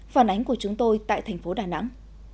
phản ánh của chúng tôi tại thành phố đà nẵng